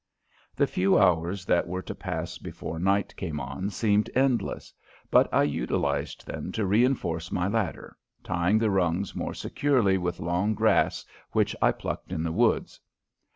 The few hours that were to pass before night came on seemed endless, but I utilized them to reinforce my ladder, tying the rungs more securely with long grass which I plucked in the woods.